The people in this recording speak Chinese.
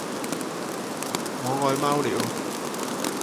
想爱猫了